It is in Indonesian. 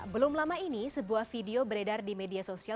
belum lama ini sebuah video beredar di media sosial